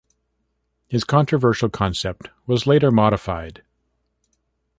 His controversial concept was later modified.